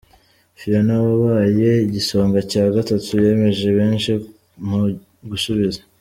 Fiona wabaye igisonga cya gatatu yemeje benshi mu gusubiza.